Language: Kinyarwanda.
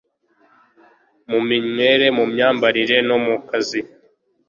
mu minywere mu myambarire no mu kazi